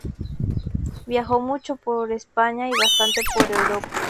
Viajó mucho por España y bastante por Europa.